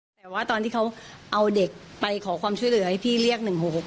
แต่ว่าตอนที่เขาเอาเด็กไปขอความช่วยเหลือให้พี่เรียก๑๖๖